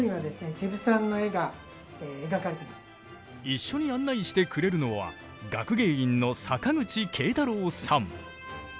一緒に案内してくれるのは学芸員の坂口圭太郎さん。